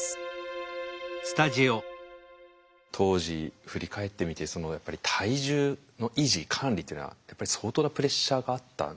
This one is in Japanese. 当時振り返ってみてそのやっぱり体重の維持管理っていうのはやっぱり相当なプレッシャーがあったんでしょうか？